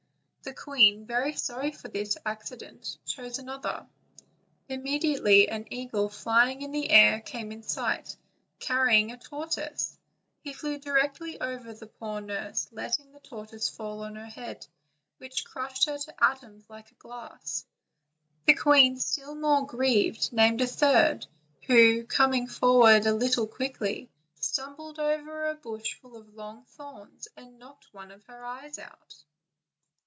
The queen, very sorry for this accident, chose another: im mediately an eagle flying in the air came in sight, carry ing a tortoise; he flew directly over the poor nurse, let ting the tortoise fall on her head, which crushed her to atoms like a glass. The queen, still more grieved, named a third, who, coming forward a little quickly, stumbled over a bush full of long thorns and knocked one of her eyes out.